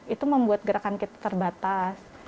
itu membuat gerakan kita terbatas